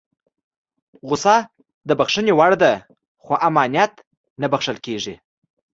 غوسه د بښنې وړ ده خو انانيت نه بښل کېږي.